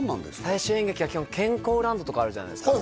大衆演劇は基本健康ランドとかあるじゃないですか